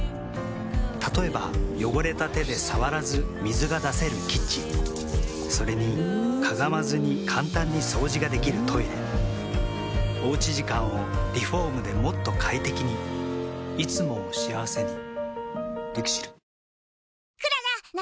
例えば汚れた手で触らず水が出せるキッチンそれにかがまずに簡単に掃除ができるトイレおうち時間をリフォームでもっと快適にいつもを幸せにＬＩＸＩＬ。